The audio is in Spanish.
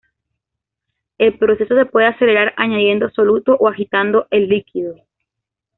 El proceso se pude acelerar añadiendo soluto o agitando el líquido.